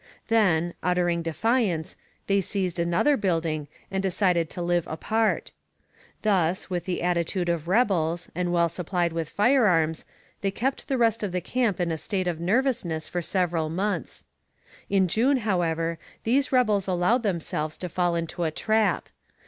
Then, uttering defiance, they seized another building, and decided to live apart. Thus, with the attitude of rebels and well supplied with firearms, they kept the rest of the camp in a state of nervousness for several months. In June, however, these rebels allowed themselves to fall into a trap.